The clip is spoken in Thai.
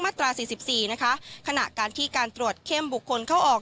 ตราสี่สิบสี่นะคะขณะการที่การตรวจเข้มบุคคลเข้าออก